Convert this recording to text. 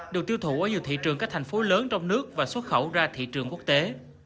được tiêu thụ ở nhiều thị trường các thành phố lớn trong nước và xuất khẩu ra thị trường quốc tế